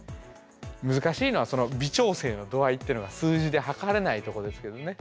難しいのはその微調整の度合いっていうのが数字ではかれないとこですけどね